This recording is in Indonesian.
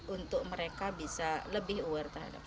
untuk mereka bisa lebih aware terhadap